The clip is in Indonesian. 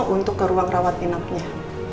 untuk ke ruang rawatinaknya